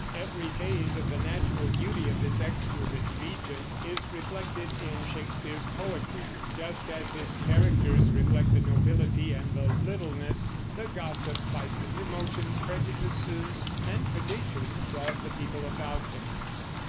Every phase of the natural beauty of this exquisite region is reflected in Shakespeare's poetry; just as his characters reflect the nobility and the littleness, the gossip, vices, emotions, prejudices, and traditions of the people about him.